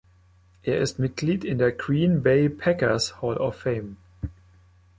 Er ist Mitglied in der Green Bay Packers Hall of Fame.